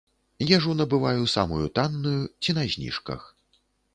Ежу набываю самую танную ці на зніжках.